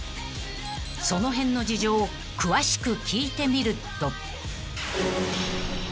［その辺の事情を詳しく聞いてみると］